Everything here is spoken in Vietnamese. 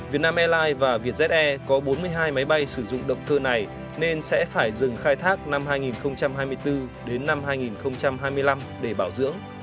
việt nam airlines và vietjet air có bốn mươi hai máy bay sử dụng động cơ này nên sẽ phải dừng khai thác năm hai nghìn hai mươi bốn đến năm hai nghìn hai mươi năm để bảo dưỡng